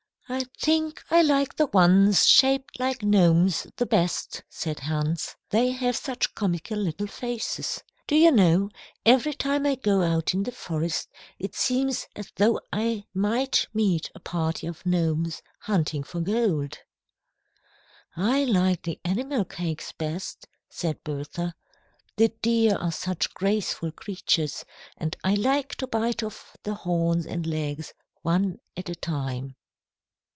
"I think I like the ones shaped like gnomes the best," said Hans. "They have such comical little faces. Do you know, every time I go out in the forest, it seems as though I might meet a party of gnomes hunting for gold." "I like the animal cakes best," said Bertha. "The deer are such graceful creatures, and I like to bite off the horns and legs, one at a time."